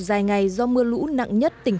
dài ngày do mưa lũ nặng nhất tỉnh